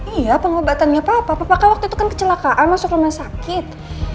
iya pengobatannya papa papa kak waktu itu kan kecelakaan masuk rumah sakit